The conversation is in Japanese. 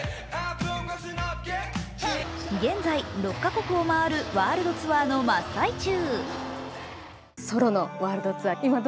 現在６か国を回るワールドツアーの真っ最中。